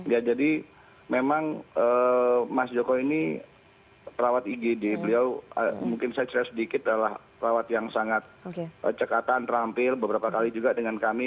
ya jadi memang mas joko ini perawat igd beliau mungkin saya cerita sedikit adalah perawat yang sangat cekatan terampil beberapa kali juga dengan kami